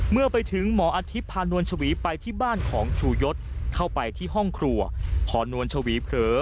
เมื่อไปถึงหมออาทิตย์พานวลชวีไปที่บ้านของชูยศเข้าไปที่ห้องครัวพอนวลชวีเผลอ